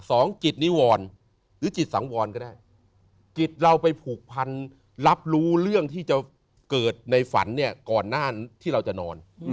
สองจิตนิวรหรือจิตสังวรก็ได้จิตเราไปผูกพันรับรู้เรื่องที่จะเกิดในฝันเนี่ยก่อนหน้าที่เราจะนอน